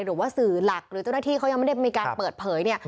หรือว่าสื่อหลักหรือเจ้าหน้าที่เขายังไม่ได้มีการเปิดเผยเนี่ย